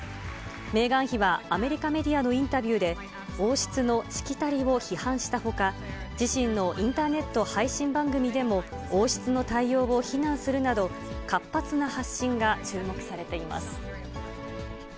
メーガン妃はアメリカメディアのインタビューで、王室のしきたりを批判したほか、自身のインターネット配信番組でも王室の対応を非難するなど、活発な発信が注目されています。